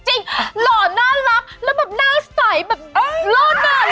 หล่อน่ารักแล้วแบบหน้าสไตล์แบบเอ๊ะโล่นั่น